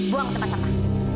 buang ke tempat sama